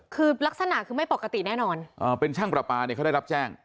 คือลักษณะคือไม่ปกติแน่นอนอ่าเป็นช่างประปาเนี่ยเขาได้รับแจ้ง